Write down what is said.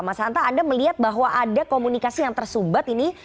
mas hanta anda melihat bahwa ada komunikasi yang tersumbat ini